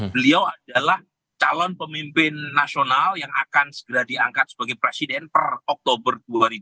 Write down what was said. beliau adalah calon pemimpin nasional yang akan segera diangkat sebagai presiden per oktober dua ribu dua puluh